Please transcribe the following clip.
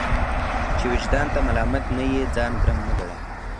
چي وجدان ته ملامت نه يې ځان ګرم مه ګڼه!